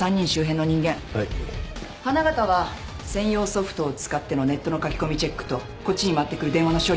花形は専用ソフトを使ってのネットの書き込みチェックとこっちに回ってくる電話の処理をお願い。